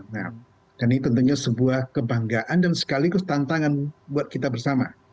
nah ini tentunya sebuah kebanggaan dan sekaligus tantangan buat kita bersama